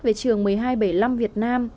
về trường một mươi hai trăm bảy mươi năm việt nam